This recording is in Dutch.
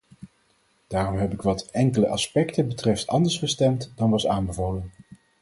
Daarom heb ik wat enkele aspecten betreft anders gestemd dan was aanbevolen.